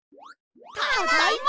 ただいま！